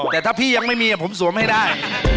แต่ถ้าพี่ยังไม่มีผมสวมให้ได้